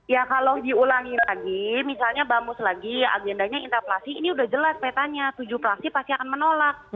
ya kalau diulangi lagi misalnya bamus lagi agendanya interpelasi ini sudah jelas petanya tujuh fraksi pasti akan menolak